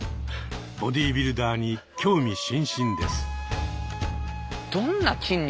ボディービルダーに興味津々です。